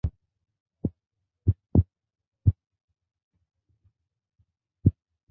তার আভিজাত্য এবং বংশ মর্যাদাও সাধারণ আরবদের থেকে উন্নত ছিল।